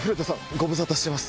ご無沙汰してます